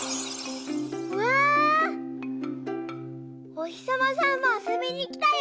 おひさまさんもあそびにきたよ！